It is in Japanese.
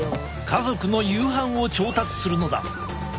家族の夕飯を調達するのだ。